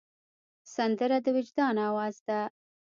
سندره د وجدان آواز ده